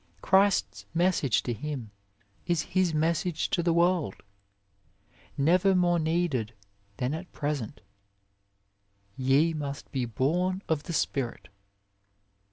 Christ s message to him is His message to the world never more needed than at present :" Ye must be 55 A WAY born of the spirit."